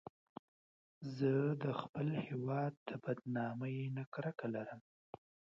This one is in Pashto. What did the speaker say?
زه د خپل هېواد د بدنامۍ نه کرکه لرم